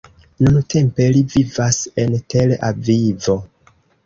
Nuntempe li vivas en Tel Avivo.